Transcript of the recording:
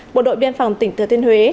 bộ đội biên phòng tp thư thiên huế